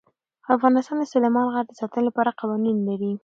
افغانستان د سلیمان غر د ساتنې لپاره قوانین لري.